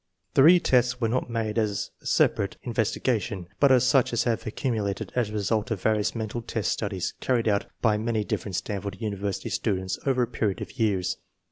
The re tests were not made as a separate investiga tion, but are such as have accumulated as a result of THE I Q AND PREDICTION 139 various mental test studies carried on by many differ ent Stanford University students over a period of years.